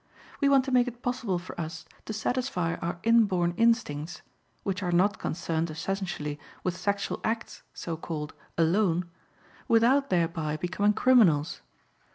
We want to make it possible for us to satisfy our inborn instincts (which are not concerned essentially with sexual acts, so called, alone) without thereby becoming criminals.